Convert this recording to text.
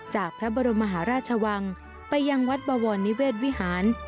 จากพระบรมมหาราชวังไปยังวัดบวรนิเวศวิหาร